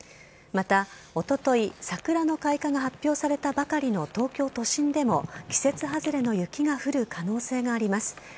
またおととい、桜の開花が発表されたばかりの東京都心でも、季節外れの雪が降る可能性があります。